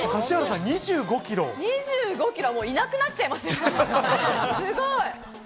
２５ｋｇってもういなくなっちゃいますよ、すごい。